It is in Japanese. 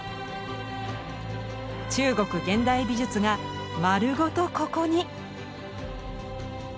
中国現代美術が丸ごとここに！